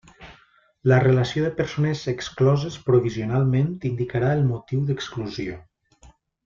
La relació de persones excloses provisionalment indicarà el motiu d'exclusió.